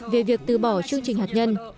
về việc từ bỏ chương trình hạt nhân